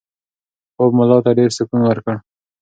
خوب ملا ته ډېر سکون ورکړ.